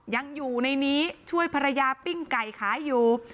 ยังอยู่ในนี้ช่วยภรรยาปิ้งไก่ขายอยู่